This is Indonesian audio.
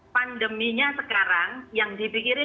pandeminya sekarang yang dipikirin dua ribu dua puluh empat